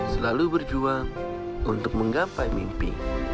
selalu berjuang untuk menggapai mimpi